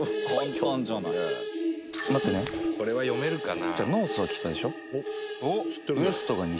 これは読めるかな？